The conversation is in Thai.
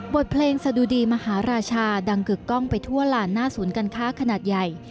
บทเพลงสะดุดีมหาราชาดังกึกกล้องไปทั่วหลานหน้าศูนย์การค้าขนาดใหญ่